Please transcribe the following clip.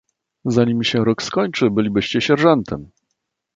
"Zanim się rok skończy, bylibyście sierżantem."